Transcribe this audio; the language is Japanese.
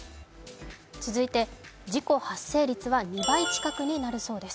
続いて、事故発生率は２倍近くになるそうです。